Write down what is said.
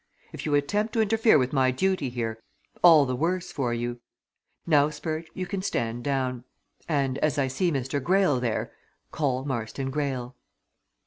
If you attempt to interfere with my duty here, all the worse for you. Now, Spurge, you can stand down. And as I see Mr. Greyle there call Marston Greyle!"